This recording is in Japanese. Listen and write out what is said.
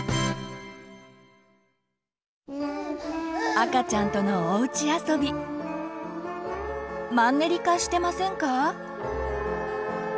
赤ちゃんとのおうちあそびマンネリ化してませんか？